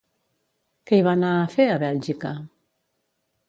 Què hi va anar a fer, a Bèlgica?